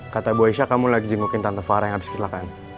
kata bu aisyah kamu lagi jengukin tante farah yang habis silakan